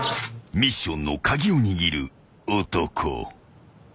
［ミッションの鍵を握る男］